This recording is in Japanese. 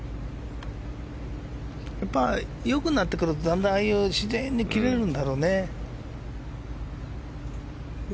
良くなってくるとだんだんああいうふうに自然に切れるんだろうね。